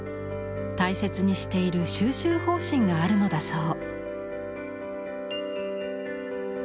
大切にしている蒐集方針があるのだそう。